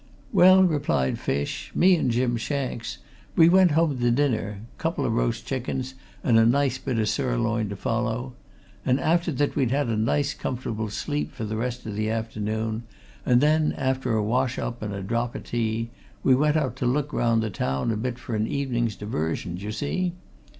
"Well," replied Fish, "me and Jim Shanks, we went home to dinner couple o' roast chickens, and a nice bit o' sirloin to follow. And after that we had a nice comfortable sleep for the rest of the afternoon, and then, after a wash up and a drop o' tea, we went out to look round the town a bit for an evening's diversion, d'ye see.